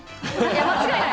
間違いない。